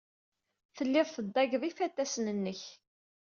Telliḍ teddageḍ ifatasen-nnek.